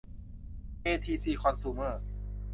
ที เอ ซี คอนซูเมอร์